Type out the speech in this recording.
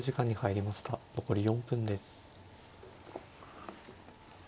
残り４分です。